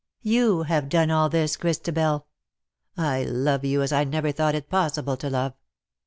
You have done all this, Christabel. I love you as I never thought it possible to love